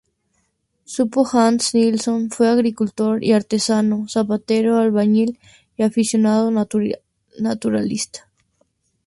Su padre Hans Nilsson fue agricultor, y artesano zapatero, albañil, y aficionado naturalista.